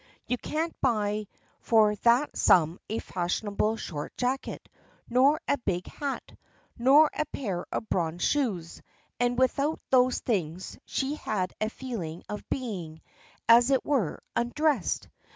You can't buy for that sum a fashionable short jacket, nor a big hat, nor a pair of bronze shoes, and without those things she had a feeling of being, as it were, undressed.